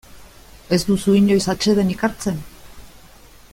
Ez duzu inoiz atsedenik hartzen?